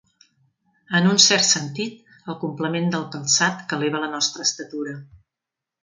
En un cert sentit, el complement del calçat que eleva la nostra estatura.